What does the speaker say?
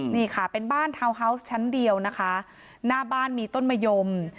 นี่ค่ะเป็นบ้านทาวน์ฮาวส์ชั้นเดียวนะคะหน้าบ้านมีต้นมะยม